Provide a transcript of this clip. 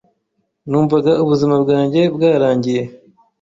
Numvaga ubuzima bwanjye bwarangiye.